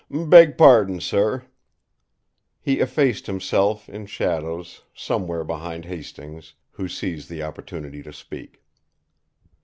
"Beg pardon, sir." He effaced himself, in shadows, somewhere behind Hastings, who seized the opportunity to speak.